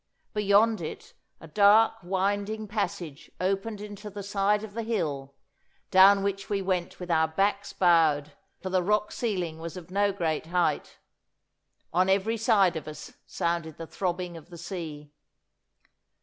Beyond it a dark winding passage opened into the side of the hill, down which we went with our backs bowed, for the rock ceiling was of no great height. On every side of us sounded the throbbing of the sea.